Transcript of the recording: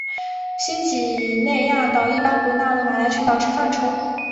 新几内亚岛一般不纳入马来群岛之范畴。